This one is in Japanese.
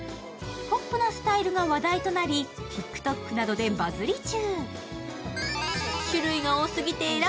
ポップなスタイルが話題となりＴｉｋＴｏｋなどでバズり中。